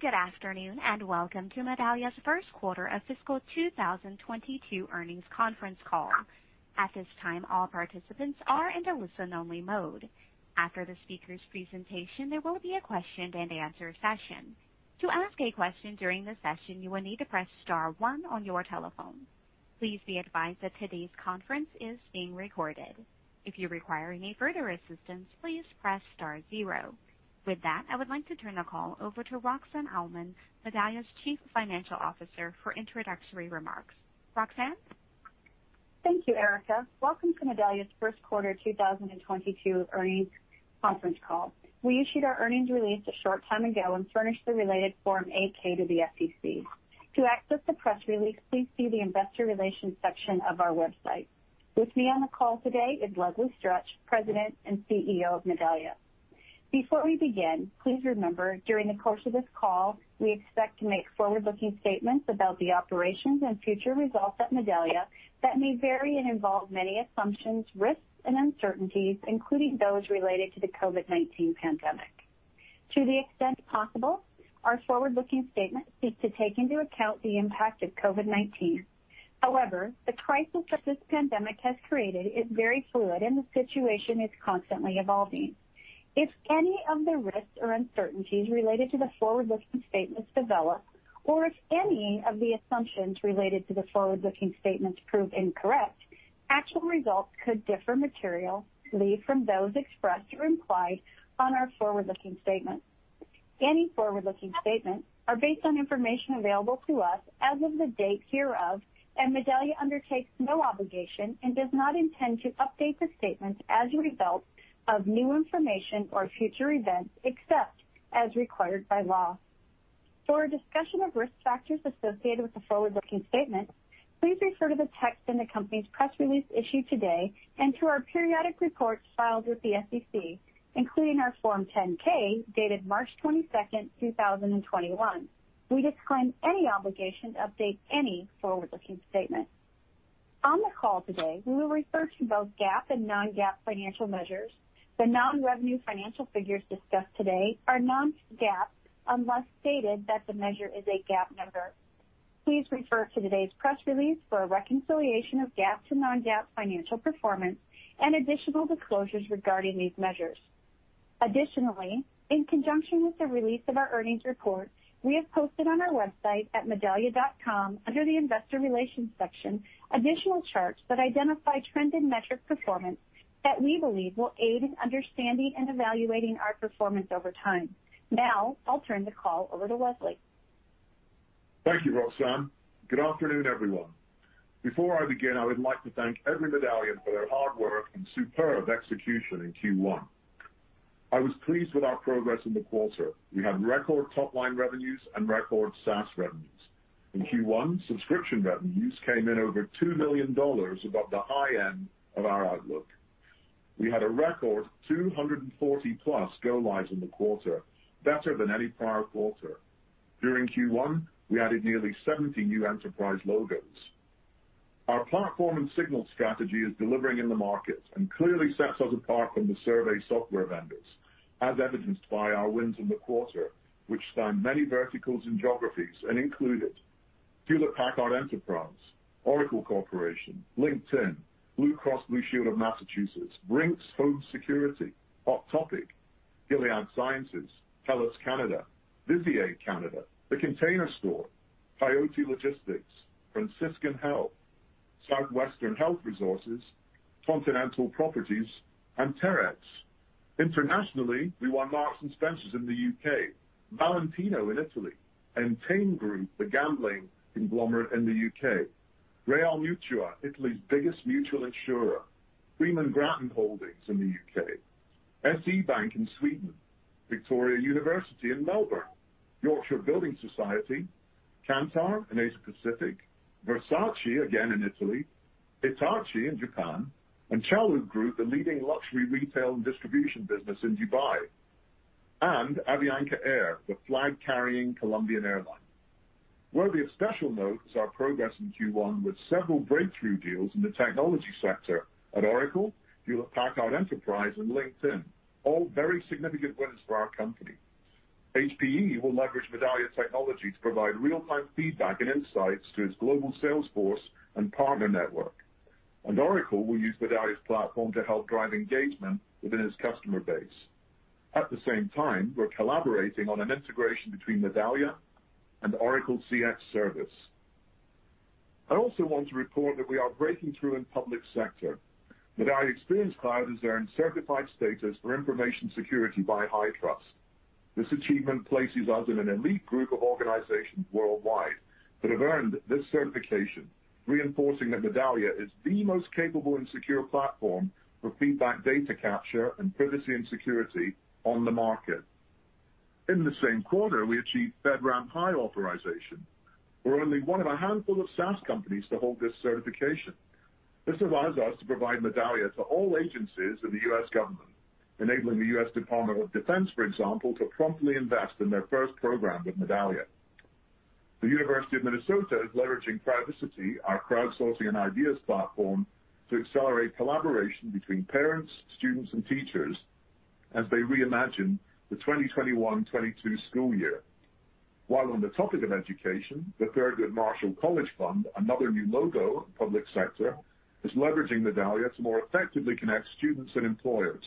Good afternoon, and welcome to Medallia's first quarter of fiscal 2022 earnings conference call. At this time all participants are all in a listen only mode. After the speakers presentations there will be a question-and-answer session. To ask a question during the session you will need to press star one on your telephone. Please be advised that today's conference is being recorded. If you require any further assistance, please press star zero. With that, I would like to turn the call over to Roxanne Oulman, Medallia's Chief Financial Officer, for introductory remarks. Roxanne? Thank you, Erica. Welcome to Medallia's first quarter 2022 earnings conference call. We issued our earnings release a short time ago and furnished the related Form 8-K to the SEC. To access the press release, please see the investor relations section of our website. With me on the call today is Leslie Stretch, President and CEO of Medallia. Before we begin, please remember, during the course of this call, we expect to make forward-looking statements about the operations and future results at Medallia that may vary and involve many assumptions, risks, and uncertainties, including those related to the COVID-19 pandemic. To the extent possible, our forward-looking statements seek to take into account the impact of COVID-19. However, the crisis that this pandemic has created is very fluid, and the situation is constantly evolving. If any of the risks or uncertainties related to the forward-looking statements develop, or if any of the assumptions related to the forward-looking statements prove incorrect, actual results could differ materially from those expressed or implied on our forward-looking statements. Any forward-looking statements are based on information available to us as of the date hereof, and Medallia undertakes no obligation and does not intend to update the statements as a result of new information or future events, except as required by law. For a discussion of risk factors associated with the forward-looking statements, please refer to the text in the company's press release issued today and to our periodic reports filed with the SEC, including our Form 10-K, dated March 22nd, 2021. We disclaim any obligation to update any forward-looking statements. On the call today, we will refer to both GAAP and non-GAAP financial measures. The non-revenue financial figures discussed today are non-GAAP unless stated that the measure is a GAAP measure. Please refer to today's press release for a reconciliation of GAAP to non-GAAP financial performance and additional disclosures regarding these measures. Additionally, in conjunction with the release of our earnings report, we have posted on our website at medallia.com, under the investor relations section, additional charts that identify trend and metric performance that we believe will aid in understanding and evaluating our performance over time. Now, I'll turn the call over to Leslie Stretch. Thank you, Roxanne. Good afternoon, everyone. Before I begin, I would like to thank every Medallian for their hard work and superb execution in Q1. I was pleased with our progress in the quarter. We had record top-line revenues and record SaaS revenues. In Q1, subscription revenues came in over $2 million above the high end of our outlook. We had a record 240-plus go lives in the quarter, better than any prior quarter. During Q1, we added nearly 70 new enterprise logos. Our platform and signal strategy is delivering in the market and clearly sets us apart from the survey software vendors, as evidenced by our wins in the quarter, which span many verticals and geographies and included Hewlett Packard Enterprise, Oracle Corporation, LinkedIn, Blue Cross Blue Shield of Massachusetts, Brinks Home Security, Hot Topic, Gilead Sciences, TELUS Canada, VistaJet Canada, The Container Store, Coyote Logistics, Franciscan Health, Southwestern Health Resources, Continental Properties, and Terex. Internationally, we won Marks & Spencer in the U.K., Valentino in Italy, Entain Group, the gambling conglomerate in the U.K., Reale Mutua, Italy's biggest mutual insurer, Fremantle in the U.K., SEB Bank in Sweden, Victoria University in Melbourne, Yorkshire Building Society, Kantar in Asia Pacific, Versace again in Italy, Hitachi in Japan, and Chalhoub Group, the leading luxury retail and distribution business in Dubai, and Avianca Air, the flag-carrying Colombian airline. Worthy of special note is our progress in Q1 with several breakthrough deals in the technology sector at Oracle, Hewlett Packard Enterprise, and LinkedIn, all very significant wins for our company. HPE will leverage Medallia's technology to provide real-time feedback and insights to its global sales force and partner network. Oracle will use Medallia's platform to help drive engagement within its customer base. At the same time, we're collaborating on an integration between Medallia and Oracle CX Service. I also want to report that we are breaking through in public sector. Medallia Experience Cloud has earned certified status for information security by HITRUST. This achievement places us in an elite group of organizations worldwide that have earned this certification, reinforcing that Medallia is the most capable and secure platform for feedback data capture and privacy and security on the market. In the same quarter, we achieved FedRAMP High authorization. We're only one of a handful of SaaS companies to hold this certification. This allows us to provide Medallia to all agencies of the U.S. government, enabling the U.S. Department of Defense, for example, to promptly invest in their first program with Medallia. The University of Minnesota is leveraging Crowdicity, our crowdsourcing and ideas platform, to accelerate collaboration between parents, students, and teachers as they reimagine the 2021-22 school year. While on the topic of education, the Thurgood Marshall College Fund, another new logo in the public sector, is leveraging Medallia to more effectively connect students and employers,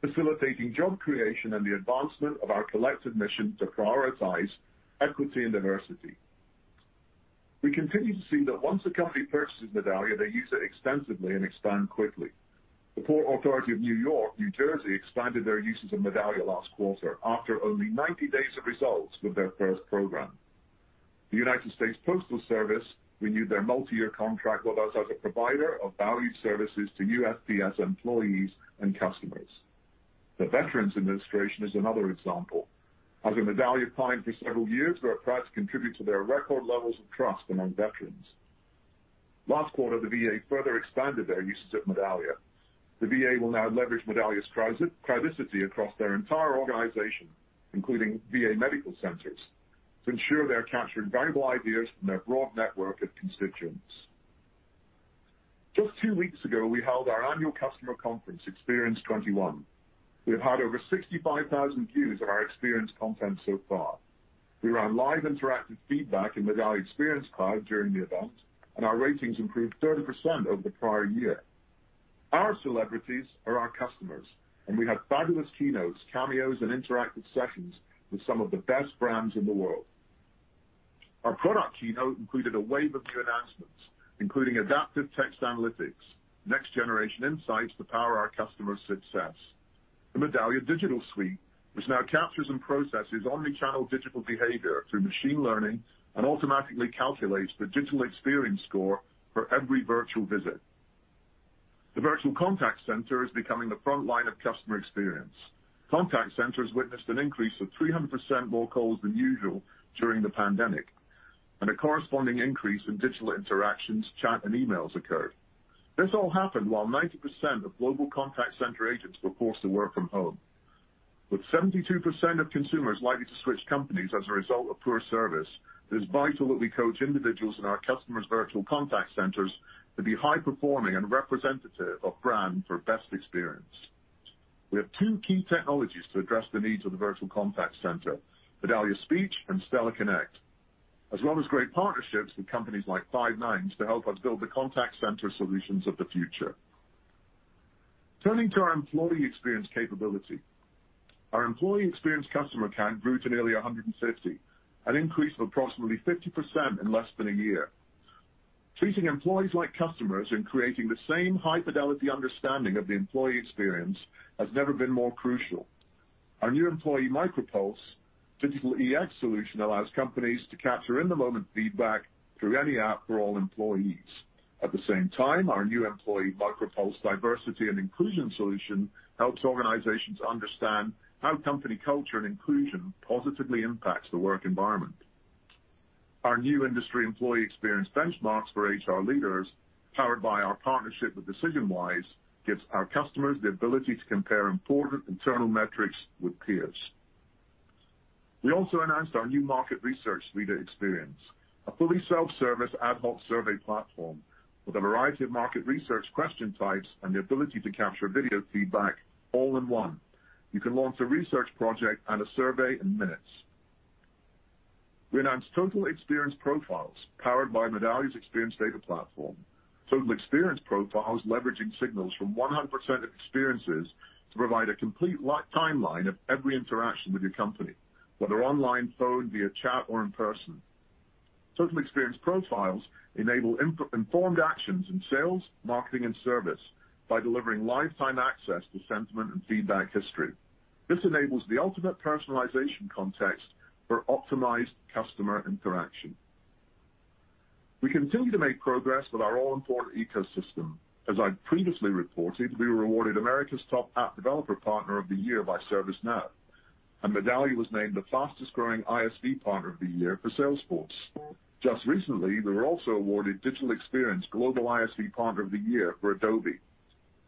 facilitating job creation and the advancement of our collective mission to prioritize equity and diversity. We continue to see that once a company purchases Medallia, they use it extensively and expand quickly. The Port Authority of New York and New Jersey expanded their uses of Medallia last quarter after only 90 days of results with their first program. The United States Postal Service renewed their multi-year contract with us as a provider of valued services to USPS employees and customers. The Veterans Administration is another example. As a Medallia client for several years, we are proud to contribute to their record levels of trust among veterans. Last quarter, the VA further expanded their uses of Medallia. The VA will now leverage Medallia's Crowdicity across their entire organization, including VA medical centers, to ensure they are capturing valuable ideas from their broad network of constituents. Just two weeks ago, we held our annual customer conference, Experience '21. We've had over 65,000 views of our Experience conference so far. We ran live interactive feedback in Medallia Experience Cloud during the event, and our ratings improved 30% over the prior year. Our celebrities are our customers, and we had fabulous keynotes, cameos, and interactive sessions with some of the best brands in the world. Our product keynote included a wave of new announcements, including adaptive text analytics, next-generation insights to power our customers' success. The Medallia Digital Suite, which now captures and processes omni-channel digital behavior through machine learning and automatically calculates the digital experience score for every virtual visit. The virtual contact center is becoming the front line of customer experience. Contact centers witnessed an increase of 300% more calls than usual during the pandemic, and a corresponding increase in digital interactions, chat, and emails occurred. This all happened while 90% of global contact center agents were forced to work from home. With 72% of consumers likely to switch companies as a result of poor service, it is vital that we coach individuals in our customers' virtual contact centers to be high-performing and representative of brand for best experience. We have two key technologies to address the needs of the virtual contact center, Medallia Speech and Stella Connect, as well as great partnerships with companies like Five9 to help us build the contact center solutions of the future. Turning to our employee experience capability. Our employee experience customer count grew to nearly 150, an increase of approximately 50% in less than a year. Treating employees like customers and creating the same high-fidelity understanding of the employee experience has never been more crucial. Our new employee MicroPulse, digital EX solution, allows companies to capture in-the-moment feedback through any app for all employees. At the same time, our new employee MicroPulse diversity and inclusion solution helps organizations understand how company culture and inclusion positively impacts the work environment. Our new industry employee experience benchmarks for HR leaders, powered by our partnership with DecisionWise, gives our customers the ability to compare important internal metrics with peers. We also announced our new market research leader experience, a fully self-service ad hoc survey platform with a variety of market research question types and the ability to capture video feedback all in one. You can launch a research project and a survey in minutes. We announced Total Experience Profiles, powered by Medallia's experience data platform. Total Experience Profiles, leveraging signals from 100% of experiences to provide a complete timeline of every interaction with your company, whether online, phone, via chat, or in person. Total Experience Profiles enable informed actions in sales, marketing, and service by delivering lifetime access to sentiment and feedback history. This enables the ultimate personalization context for optimized customer interaction. We continue to make progress with our all-important ecosystem. As I previously reported, we were awarded America's top App Developer Partner of the Year by ServiceNow, and Medallia was named the fastest-growing ISV Partner of the Year for Salesforce. Just recently, we were also awarded Digital Experience Global ISV Partner of the Year for Adobe.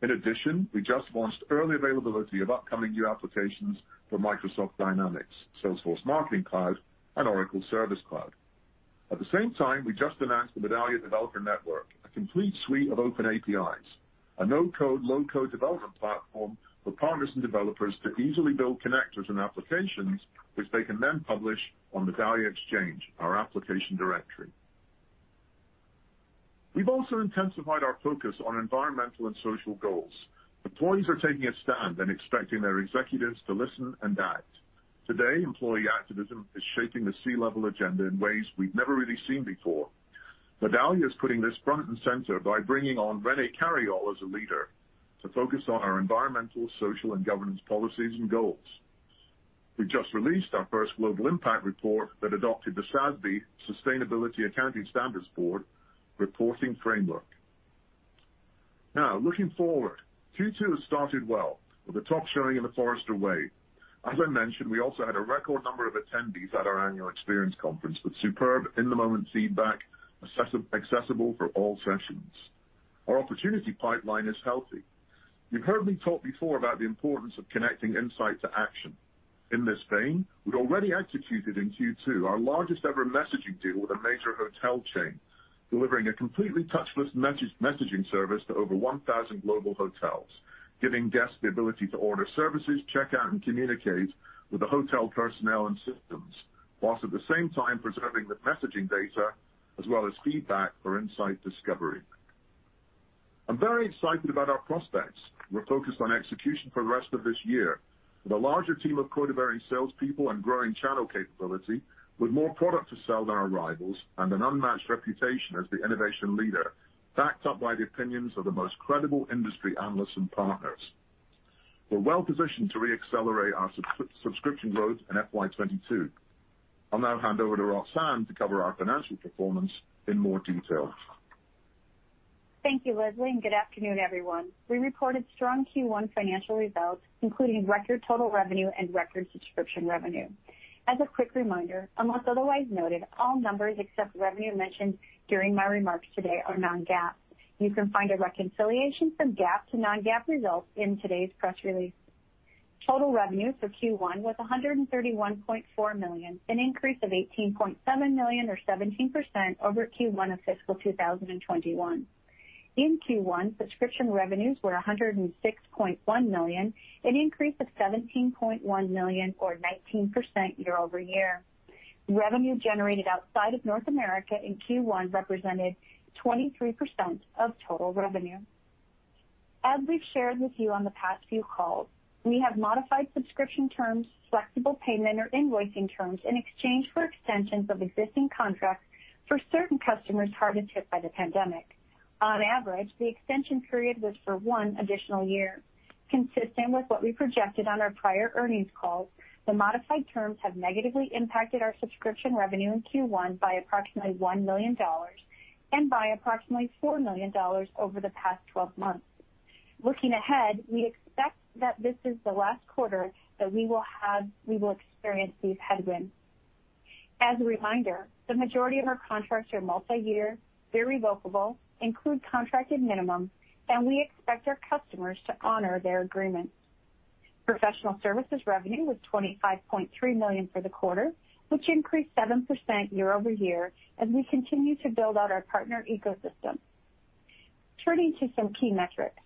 In addition, we just launched early availability of upcoming new applications for Microsoft Dynamics, Salesforce Marketing Cloud, and Oracle Service Cloud. At the same time, we just announced the Medallia Developer Network, a complete suite of open APIs, a no-code, low-code development platform for partners and developers to easily build connectors and applications which they can then publish on Medallia Xchange, our application directory. We've also intensified our focus on environmental and social goals. Employees are taking a stand and expecting their executives to listen and act. Today, employee activism is shaping the C-level agenda in ways we've never really seen before. Medallia is putting this front and center by bringing on René Carayol as a leader to focus on our Environmental, Social and Governance policies and goals. We just released our first global impact report that adopted the SASB, Sustainability Accounting Standards Board, reporting framework. Looking forward. Q2 has started well with a top showing in the Forrester Wave. As I mentioned, we also had a record number of attendees at our annual Experience conference with superb in-the-moment feedback accessible for all sessions. Opportunity pipeline is healthy. You've heard me talk before about the importance of connecting insight to action. In this vein, we'd already executed in Q2 our largest ever messaging deal with a major hotel chain, delivering a completely touchless messaging service to over 1,000 global hotels, giving guests the ability to order services, check out, and communicate with the hotel personnel and systems, whilst at the same time preserving the messaging data as well as feedback for insight discovery. I'm very excited about our prospects. We're focused on execution for the rest of this year with a larger team of Medallian salespeople and growing channel capability with more product to sell than our rivals and an unmatched reputation as the innovation leader, backed up by the opinions of the most credible industry analysts and partners. We're well positioned to re-accelerate our subscription growth in FY 2022. I'll now hand over to Roxanne to cover our financial performance in more detail. Thank you, Leslie, good afternoon, everyone. We recorded strong Q1 financial results, including record total revenue and record subscription revenue. As a quick reminder, unless otherwise noted, all numbers except revenue mentioned during my remarks today are non-GAAP. You can find a reconciliation from GAAP to non-GAAP results in today's press release. Total revenue for Q1 was $131.4 million, an increase of $18.7 million or 17% over Q1 of fiscal 2021. In Q1, subscription revenues were $106.1 million, an increase of $17.1 million or 19% year over year. Revenue generated outside of North America in Q1 represented 23% of total revenue. As we've shared with you on the past few calls, we have modified subscription terms, flexible payment or invoicing terms in exchange for extensions of existing contracts for certain customers hardest hit by the pandemic. On average, the extension period was for one additional year. Consistent with what we projected on our prior earnings call, the modified terms have negatively impacted our subscription revenue in Q1 by approximately $1 million and by approximately $4 million over the past 12 months. Looking ahead, we expect that this is the last quarter that we will experience these headwinds. As a reminder, the majority of our contracts are multi-year, they're revocable, include contracted minimums, and we expect our customers to honor their agreements. Professional services revenue was $25.3 million for the quarter, which increased 7% year-over-year as we continue to build out our partner ecosystem. Turning to some key metrics,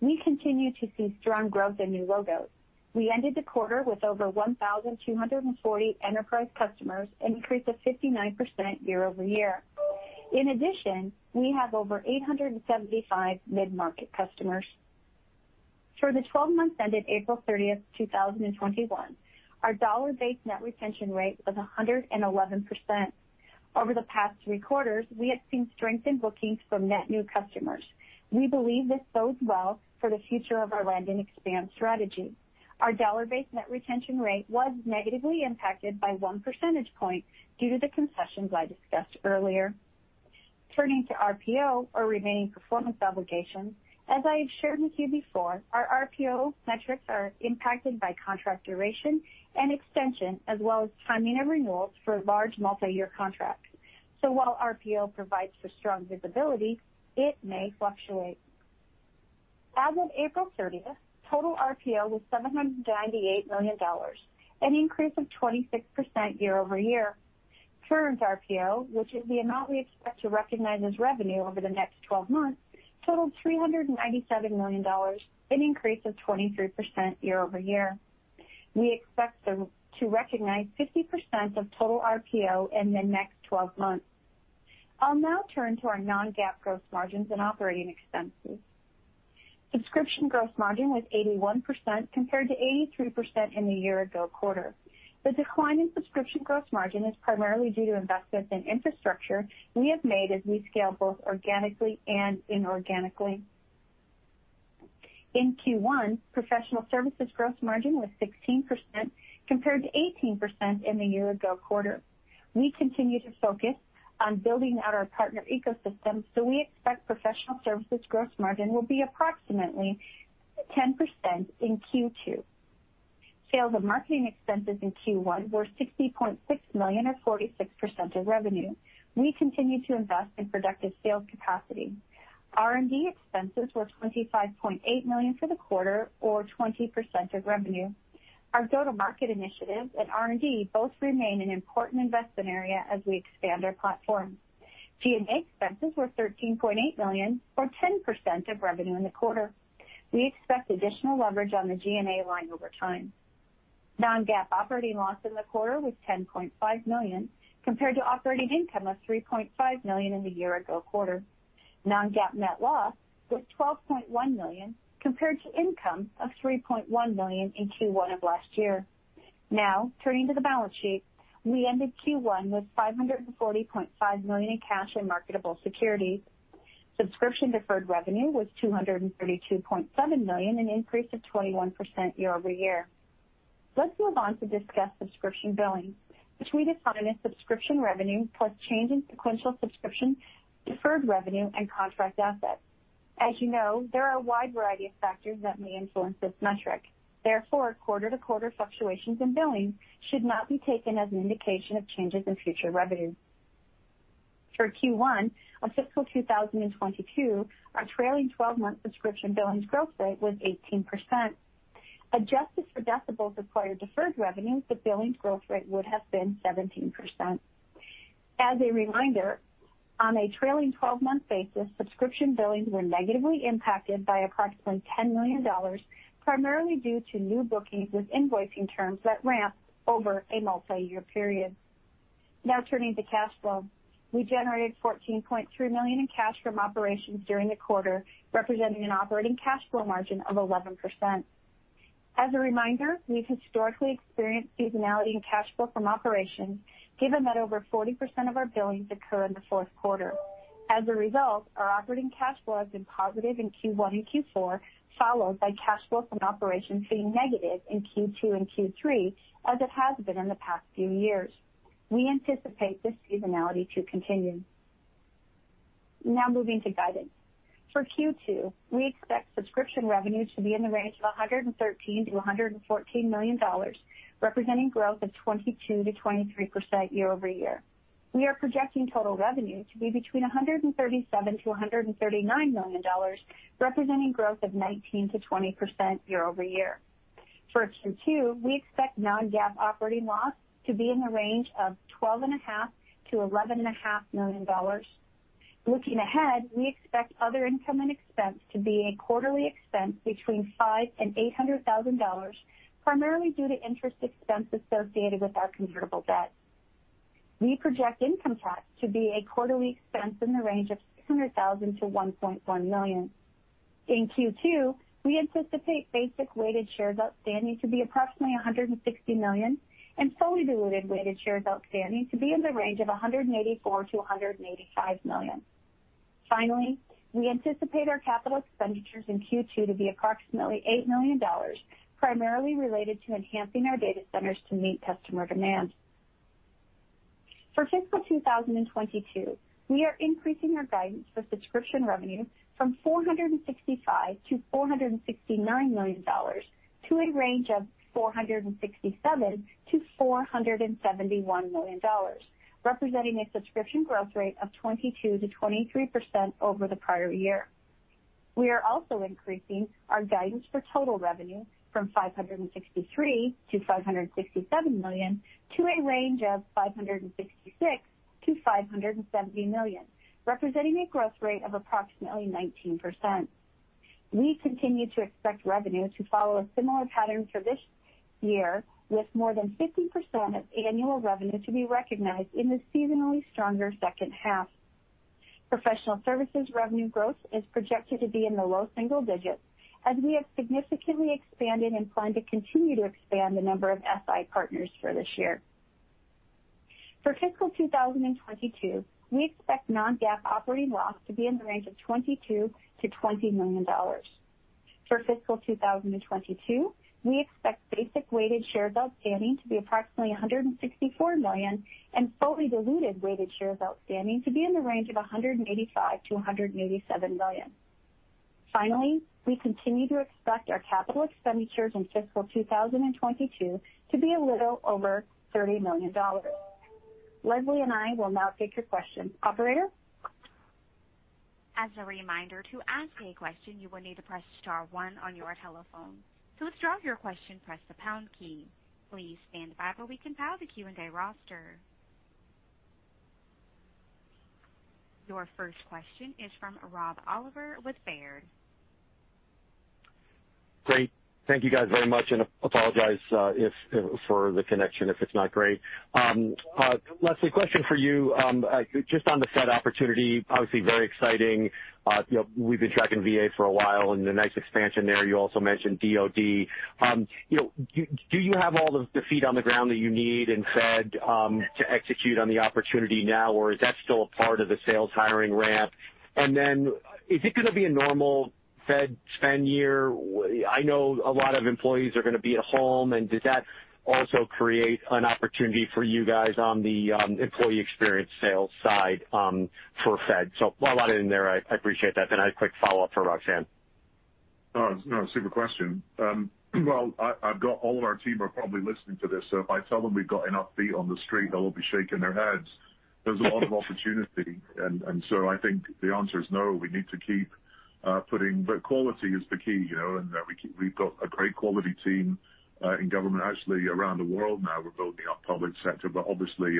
we continue to see strong growth in new logos. We ended the quarter with over 1,240 enterprise customers, an increase of 59% year-over-year. In addition, we have over 875 mid-market customers. For the 12 months ended April 30th, 2021, our dollar-based net retention rate was 111%. Over the past three quarters, we have seen strength in bookings from net new customers. We believe this bodes well for the future of our land and expand strategy. Our dollar-based net retention rate was negatively impacted by one percentage point due to the concessions I discussed earlier. Turning to RPO or remaining performance obligations, as I have shared with you before, our RPO metrics are impacted by contract duration and extension as well as timing and renewals for large multi-year contracts. While RPO provides for strong visibility, it may fluctuate. As of April 30th, total RPO was $798 million, an increase of 26% year-over-year. Current RPO, which is the amount we expect to recognize as revenue over the next 12 months, totaled $397 million, an increase of 23% year-over-year. We expect to recognize 50% of total RPO in the next 12 months. I'll now turn to our non-GAAP gross margins and operating expenses. Subscription gross margin was 81% compared to 83% in the year ago quarter. The decline in subscription gross margin is primarily due to investments in infrastructure we have made as we scale both organically and inorganically. In Q1, professional services gross margin was 16% compared to 18% in the year ago quarter. We continue to focus on building out our partner ecosystem. We expect professional services gross margin will be approximately 10% in Q2. Sales and marketing expenses in Q1 were $60.6 million or 46% of revenue. We continue to invest in productive sales capacity. R&D expenses were $25.8 million for the quarter, or 20% of revenue. Our go-to-market initiatives and R&D both remain an important investment area as we expand our platform. G&A expenses were $13.8 million or 10% of revenue in the quarter. We expect additional leverage on the G&A line over time. Non-GAAP operating loss in the quarter was $10.5 million, compared to operating income of $3.5 million in the year-ago quarter. Non-GAAP net loss was $12.1 million, compared to income of $3.1 million in Q1 of last year. Now, turning to the balance sheet. We ended Q1 with $540.5 million in cash and marketable securities. Subscription deferred revenue was $232.7 million, an increase of 21% year-over-year. Let's move on to discuss subscription billing, which we define as subscription revenue plus change in sequential subscription, deferred revenue, and contract assets. As you know, there are a wide variety of factors that may influence this metric. Quarter-to-quarter fluctuations in billing should not be taken as an indication of changes in future revenue. Q1 of fiscal 2022, our trailing 12-month subscription billings growth rate was 18%. Adjusted for Decibel acquired deferred revenue, the billings growth rate would have been 17%. As a reminder, on a trailing 12-month basis, subscription billings were negatively impacted by approximately $10 million, primarily due to new bookings with invoicing terms that ramp over a multi-year period. Turning to cash flow. We generated $14.3 million in cash from operations during the quarter, representing an operating cash flow margin of 11%. As a reminder, we've historically experienced seasonality in cash flow from operations, given that over 40% of our billings occur in the fourth quarter. As a result, our operating cash flow has been positive in Q1 and Q4, followed by cash flow from operations being negative in Q2 and Q3, as it has been in the past few years. We anticipate this seasonality to continue. Moving to guidance. For Q2, we expect subscription revenue to be in the range of $113 million-$114 million, representing growth of 22%-23% year-over-year. We are projecting total revenue to be between $137 million-$139 million, representing growth of 19%-20% year-over-year. For Q2, we expect non-GAAP operating loss to be in the range of $12.5 million-$11.5 million. Looking ahead, we expect other income and expense to be a quarterly expense between $5 and $800,000, primarily due to interest expense associated with our convertible debt. We project income tax to be a quarterly expense in the range of $600,000-$1.1 million. In Q2, we anticipate basic weighted shares outstanding to be approximately 160 million and fully diluted weighted shares outstanding to be in the range of 184 million-185 million. We anticipate our capital expenditures in Q2 to be approximately $8 million, primarily related to enhancing our data centers to meet customer demand. For fiscal 2022, we are increasing our guidance for subscription revenue from $465 million-$469 million, to a range of $467 million-$471 million, representing a subscription growth rate of 22%-23% over the prior year. We are also increasing our guidance for total revenue from $563 million-$567 million to a range of $566 million-$570 million, representing a growth rate of approximately 19%. We continue to expect revenue to follow a similar pattern for this year, with more than 50% of annual revenue to be recognized in the seasonally stronger second half. Professional services revenue growth is projected to be in the low single digits as we have significantly expanded and plan to continue to expand the number of SI partners for this year. For fiscal 2022, we expect non-GAAP operating loss to be in the range of $22 million to $20 million. For fiscal 2022, we expect basic weighted shares outstanding to be approximately 164 million and fully diluted weighted shares outstanding to be in the range of 185 million to 187 million. Finally, we continue to expect our capital expenditures in fiscal 2022 to be a little over $30 million. Leslie Stretch and I will now take your questions. Operator? As a reminder, to ask a question, you will need to press one on your telephone. To withdraw your question, press the pound key. Please standby, but we can file the Q&A roster. Your first question is from Rob Oliver with Baird. Great. Thank you guys very much. Apologize for the connection if it's not great. Leslie Stretch, question for you, just on the Fed opportunity, obviously very exciting. We've been tracking VA for a while, the nice expansion there. You also mentioned DoD. Do you have all the feet on the ground that you need in Fed to execute on the opportunity now, or is that still a part of the sales hiring ramp? Is it going to be a normal Fed spend year? I know a lot of employees are going to be at home. Does that also create an opportunity for you guys on the employee experience sales side for Fed? A lot in there. I appreciate that. A quick follow-up for Roxanne Oulman. No, it's a good question. Well, I've got all our team are probably listening to this, so if I tell them we've got enough feet on the street, they'll be shaking their heads. There's a lot of opportunity. I think the answer is no, we need to keep putting, but quality is the key. We've got a great quality team in government, actually around the world now. We're building up public sector, but obviously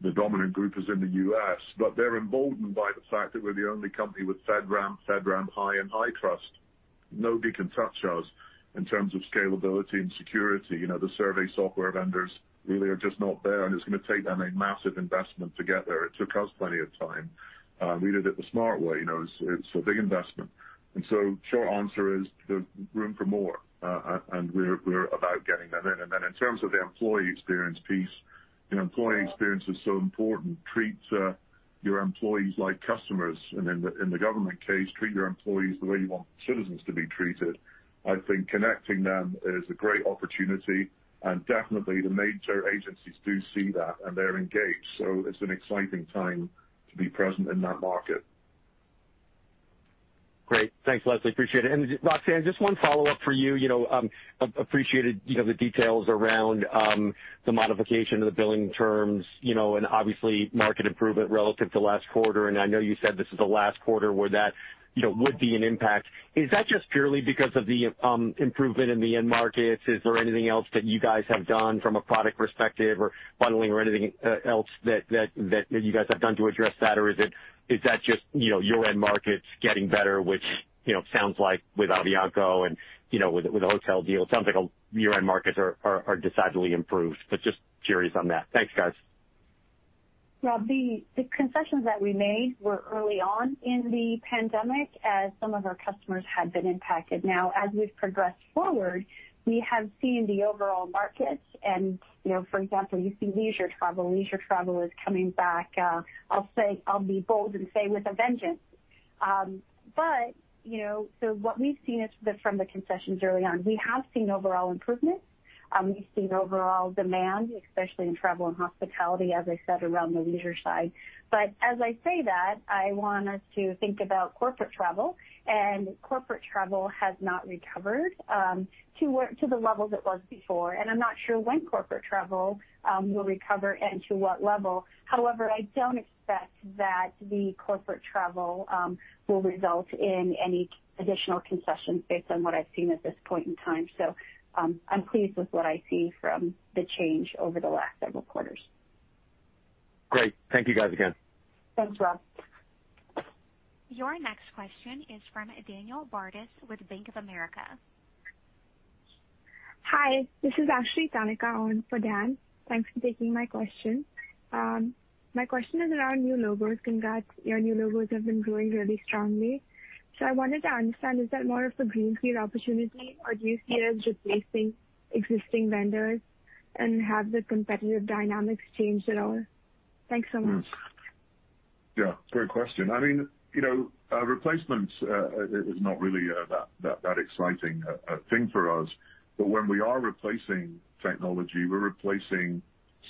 the dominant group is in the U.S. They're emboldened by the fact that we're the only company with FedRAMP High and HITRUST. Nobody can touch us in terms of scalability and security. The survey software vendors really are just not there, and it's going to take them a massive investment to get there. It took us plenty of time. We did it the smart way. It's a big investment. Short answer is there's room for more, and we're about getting them in. In terms of the employee experience piece, employee experience is so important. Treat your employees like customers, and in the government case, treat your employees the way you want citizens to be treated. I think connecting them is a great opportunity, and definitely the major agencies do see that, and they're engaged. It's an exciting time to be present in that market. Great. Thanks, Leslie. Appreciate it. Roxanne, just one follow-up for you. Appreciated the details around the modification of the billing terms and obviously market improvement relative to last quarter. I know you said this is the last quarter where that would be an impact. Is that just purely because of the improvement in the end markets? Is there anything else that you guys have done from a product perspective or bundling or anything else that you guys have done to address that? Is that just your end markets getting better, which sounds like with Avianca and with hotel deals, sounds like your end markets are decidedly improved. Just curious on that. Thanks, guys. Well, the concessions that we made were early on in the pandemic as some of our customers had been impacted. As we've progressed forward, we have seen the overall markets and, for example, you see leisure travel. Leisure travel is coming back. I'll be bold and say with a vengeance. What we've seen from the concessions early on, we have seen overall improvement. We've seen overall demand, especially in travel and hospitality, as I said, around the leisure side. As I say that, I want us to think about corporate travel, and corporate travel has not recovered to the level it was before. I'm not sure when corporate travel will recover and to what level. However, I don't expect that the corporate travel will result in any additional concessions based on what I've seen at this point in time. I'm pleased with what I see from the change over the last several quarters. Great. Thank you, guys. Again. Thanks, Rob. Your next question is from Dan Bartus with Bank of America. Hi, this is actually Tazeen on for Dan. Thanks for taking my question. My question is around new logos. Congrats. Your new logos have been growing really strongly. I wanted to understand, is that more of a greenfield opportunity, or do you see it as replacing existing vendors and have the competitive dynamics changed at all? Thanks so much. Yeah, great question. Replacement is not really that exciting a thing for us. When we are replacing technology, we're replacing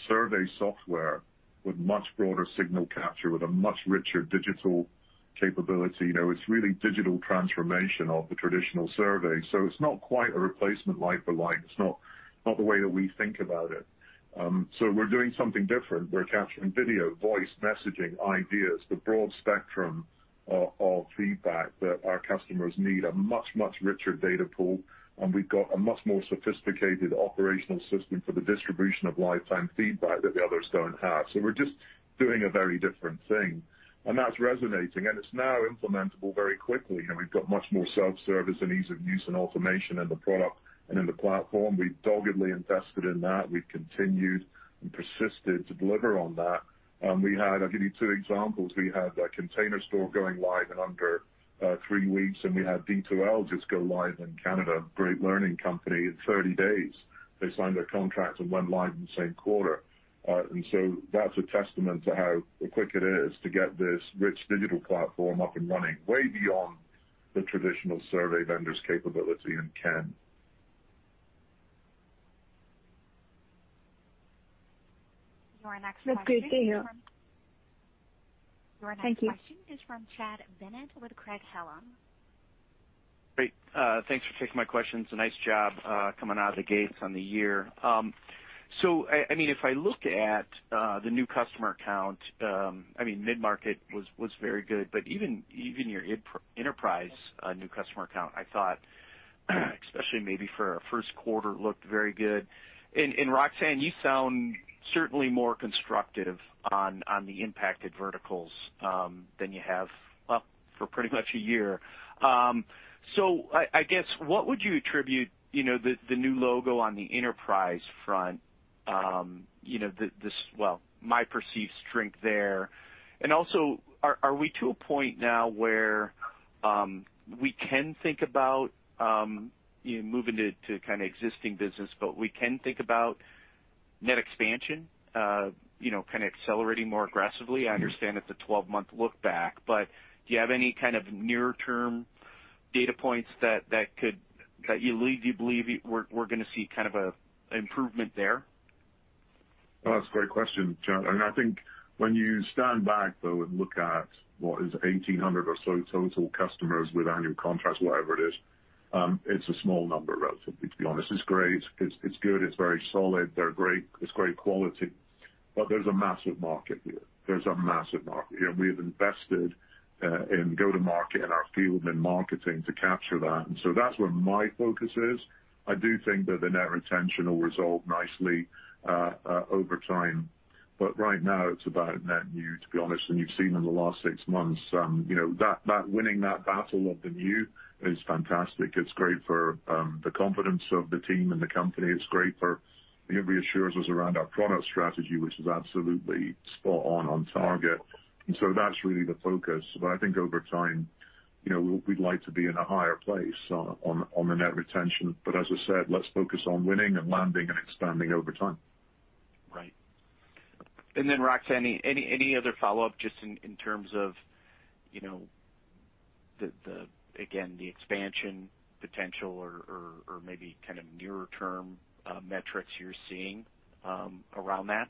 survey software with much broader signal capture, with a much richer digital capability. It's really digital transformation of the traditional survey. It's not quite a replacement like for like. It's not the way that we think about it. We're doing something different. We're capturing video, voice, messaging, ideas, the broad spectrum of feedback that our customers need, a much, much richer data pool. We've got a much more sophisticated operational system for the distribution of lifetime feedback that the others don't have. We're just doing a very different thing, and that's resonating, and it's now implementable very quickly. We've got much more self-service and ease of use and automation in the product and in the platform. We've doggedly invested in that. We've continued and persisted to deliver on that. I'll give you two examples. We had The Container Store going live in under three weeks, and we had D2L just go live in Canada, great learning company, in 30 days. They signed a contract and went live in the same quarter. That's a testament to how quick it is to get this rich digital platform up and running way beyond the traditional survey vendor's capability and can. That's great to hear. Thank you. Your next question is from Chad Bennett with Craig-Hallum. Great. Thanks for taking my questions. Nice job coming out of the gates on the year. If I look at the new customer count, mid-market was very good. Even your enterprise new customer count, I thought, especially maybe for a first quarter, looked very good. Roxanne, you sound certainly more constructive on the impacted verticals than you have for pretty much a year. I guess, what would you attribute the new logo on the enterprise front, well, my perceived strength there? Also, are we to a point now where we can think about moving it to existing business, we can think about net expansion accelerating more aggressively? I understand it's a 12-month look-back. Do you have any kind of near-term data points that you believe we're going to see an improvement there? That's a great question, Chad. I think when you stand back, though, and look at what is 1,800 or so total customers with annual contracts, whatever it is, it's a small number relatively, to be honest. It's great. It's good. It's very solid. It's great quality. There's a massive market here. There's a massive market. We have invested in go-to-market in our field, in marketing to capture that. That's where my focus is. I do think that the net retention will resolve nicely over time. Right now, it's about net new, to be honest. You've seen in the last six months, winning that battle of the new is fantastic. It's great for the confidence of the team and the company. It reassures us around our product strategy, which is absolutely spot on target. That's really the focus. I think over time, we'd like to be in a higher place on the net retention. As I said, let's focus on winning and landing and expanding over time. Right. Rox, any other follow-up just in terms of, again, the expansion potential or maybe nearer-term metrics you're seeing around that?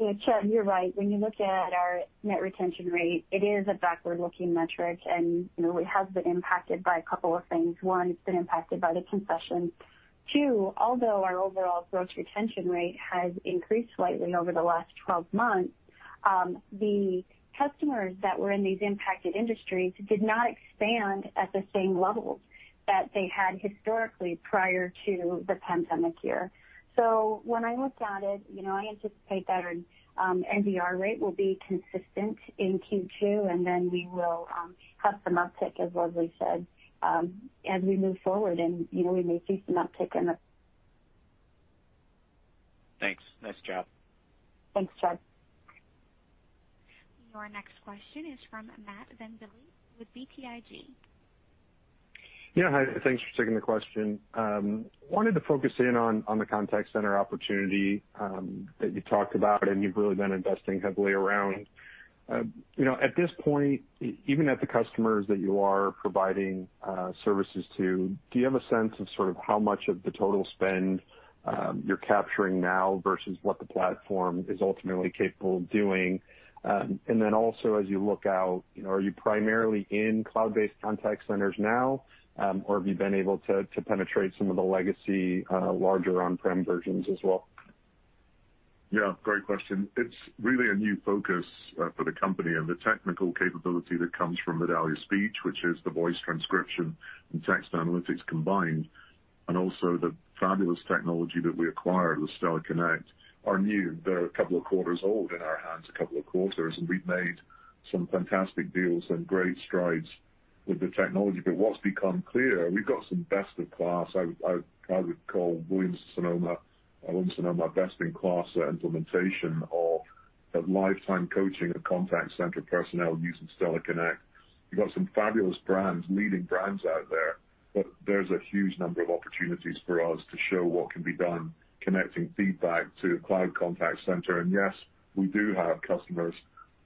Yeah, Chad, you're right. When you look at our net retention rate, it is a backward-looking metric, and it has been impacted by a couple of things. One, it's been impacted by the concessions. Two, although our overall growth retention rate has increased slightly over the last 12 months, the customers that were in these impacted industries did not expand at the same levels that they had historically prior to the pandemic year. When I look at it, I anticipate that our NDR rate will be consistent in Q2, and then we will have some uptick, as Leslie said, as we move forward, and we may see some uptick. Thanks. Nice, Chad. Thanks, Chad. Your next question is from Matt VanVliet with BTIG. Yeah, hi. Thanks for taking the question. Wanted to focus in on the contact center opportunity that you talked about, and you've really been investing heavily around. At this point, even at the customers that you are providing services to, do you have a sense of how much of the total spend you're capturing now versus what the platform is ultimately capable of doing? Also, as you look out, are you primarily in cloud-based contact centers now, or have you been able to penetrate some of the legacy larger on-prem versions as well? Yeah, great question. It's really a new focus for the company, and the technical capability that comes from Medallia Speech, which is the voice transcription and text analytics combined, and also the fabulous technology that we acquired with Stella Connect are new. They're a couple of quarters old in our hands, a couple of quarters, and we've made some fantastic deals and great strides with the technology. What's become clear, we've got some best in class. I would call Williams-Sonoma my best in class at implementation of lifetime coaching of contact center personnel using Stella Connect. We've got some fabulous brands, leading brands out there's a huge number of opportunities for us to show what can be done connecting feedback to a cloud contact center. Yes, we do have customers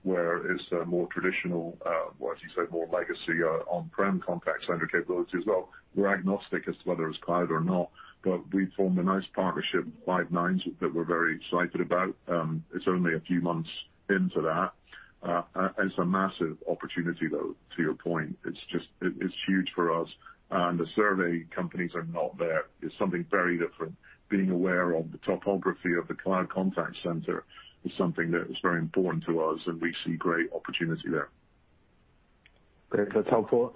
where it's a more traditional, what you said, more legacy on-prem contact center capabilities as well. We're agnostic as to whether it's cloud or not, but we formed a nice partnership with Five9 that we're very excited about. It's only a few months into that. It's a massive opportunity, though, to your point. It's huge for us, and the survey companies are not there. It's something very different. Being aware of the topography of the cloud contact center is something that is very important to us, and we see great opportunity there. Great. That's helpful.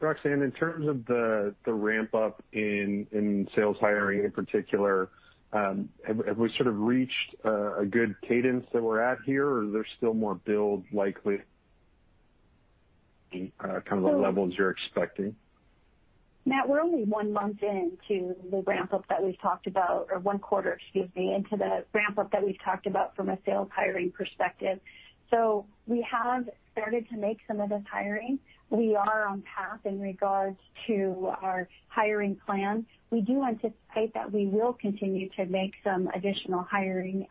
Roxanne, in terms of the ramp up in sales hiring in particular, have we sort of reached a good cadence that we're at here, or is there still more build likely kind of the levels you're expecting? Matt, we're only one month into the ramp up that we talked about, or one quarter, excuse me, into the ramp up that we talked about from a sales hiring perspective. We have started to make some of those hirings. We are on path in regards to our hiring plans. We do anticipate that we will continue to make some additional hiring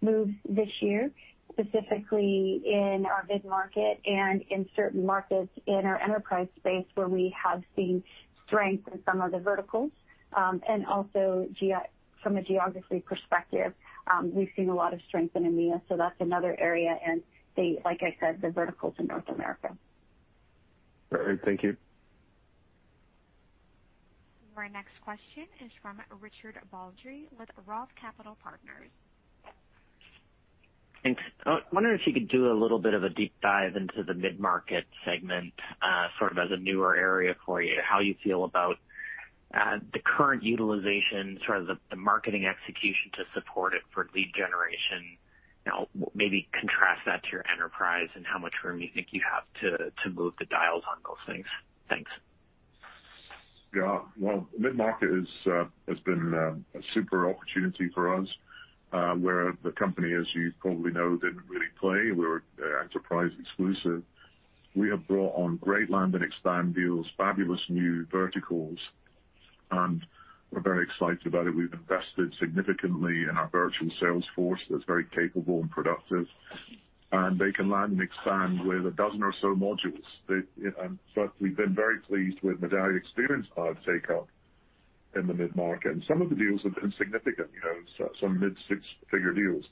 moves this year, specifically in our mid-market and in certain markets in our enterprise space where we have seen strength in some of the verticals. Also from a geography perspective, we've seen a lot of strength in EMEA, so that's another area, and like I said, the verticals in North America. All right. Thank you. Our next question is from Richard Baldry with Roth Capital Partners. Thanks. I wonder if you could do a little bit of a deep dive into the mid-market segment, sort of as a newer area for you, how you feel about the current utilization, sort of the marketing execution to support it for lead generation. Maybe contrast that to your enterprise and how much room you think you have to move the dial on those things. Thanks. Yeah. Well, mid-market has been a super opportunity for us, where the company, as you probably know, didn't really play. We were enterprise exclusive. We have brought on great land and expand deals, fabulous new verticals, and we're very excited about it. We've invested significantly in our virtual sales force that's very capable and productive, and they can land and expand with a dozen or so modules. We've been very pleased with Medallia Experience Cloud takeup in the mid-market, and some of the deals have been significant, some mid six-figure deals.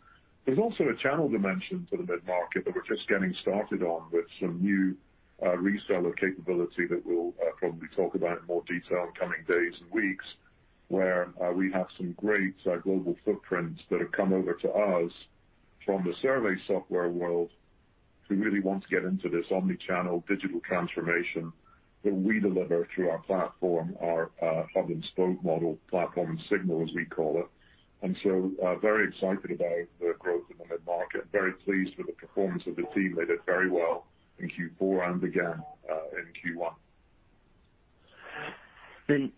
There's also a channel dimension to the mid-market that we're just getting started on with some new reseller capability that we'll probably talk about in more detail in coming days and weeks, where we have some great global footprints that have come over to us from the survey software world who really want to get into this omni-channel digital transformation that we deliver through our platform, our hub and spoke model platform, Signal, as we call it. Very excited about the growth in the mid-market. Very pleased with the performance of the team. They did very well in Q4 and again in Q1.